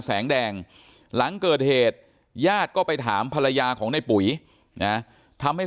แสงแดงหลังเกิดเหตุญาติก็ไปถามภรรยาของในปุ๋ยนะทำให้